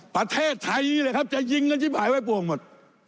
ประเทศไทยเลยครับจะยิงกันชิบ๋ายไว้บนบ่น